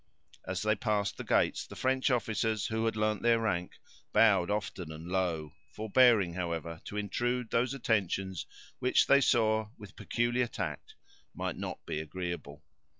As they passed the gates, the French officers, who had learned their rank, bowed often and low, forbearing, however, to intrude those attentions which they saw, with peculiar tact, might not be agreeable.